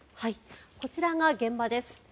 こちらが現場です。